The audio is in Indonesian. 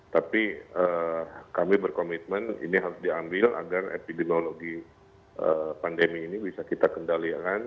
tapi kami berkomitmen ini harus diambil agar epidemiologi pandemi ini bisa kita kendalikan